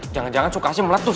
jangan jangan sukasi meletus